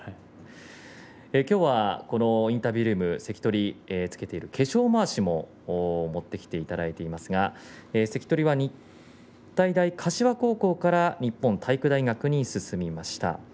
きょうはこのインタビュールーム関取がつけている化粧まわしを持ってきていただいていますが関取は日体大柏高校から日本体育大学に進みました。